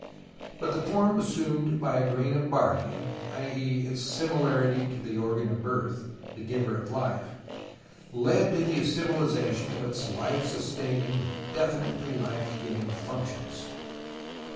But the form assumed by a grain of barley iyi.e. its similarity to the organ of birth, the giver of life) led to the assimilation of its life sustaining with definitely life giving functions.